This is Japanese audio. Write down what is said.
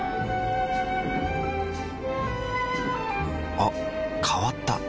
あ変わった。